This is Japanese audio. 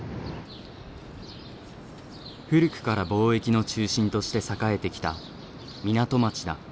古くから貿易の中心として栄えてきた港町だ。